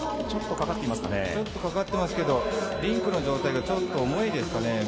ちょっとかかってますけど、リンクの状態がちょっと重いですかね。